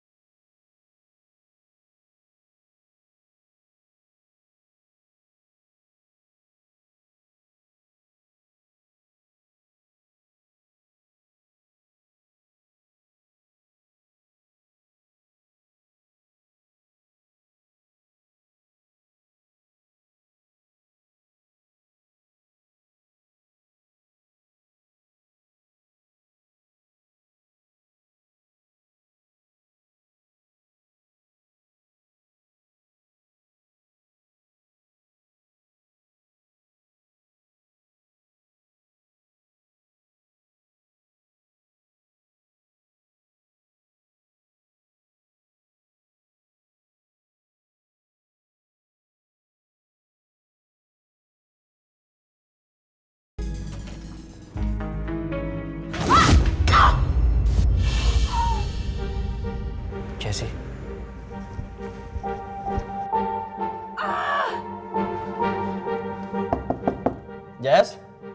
jess kamu kenapa jess